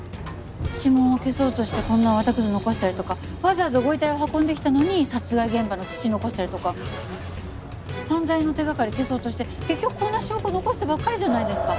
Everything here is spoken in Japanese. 指紋を消そうとしてこんな綿くず残したりとかわざわざご遺体を運んできたのに殺害現場の土残したりとか犯罪の手掛かり消そうとして結局こんな証拠残してばっかりじゃないですか。